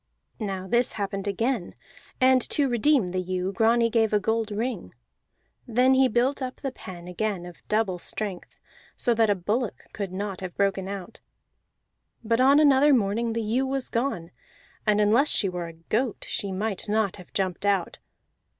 Now this happened again, and to redeem the ewe Grani gave a gold ring. Then he built up the pen again of double strength, so that a bullock could not have broken out; but on another morning the ewe was gone, and unless she were a goat she might not have jumped out.